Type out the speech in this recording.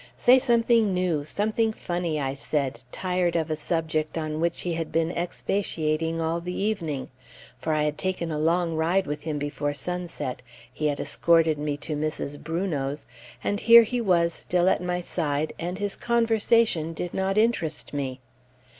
"Say something new; something funny," I said, tired of a subject on which he had been expatiating all the evening; for I had taken a long ride with him before sunset, he had escorted me to Mrs. Brunot's, and here he was still at my side, and his conversation did not interest me.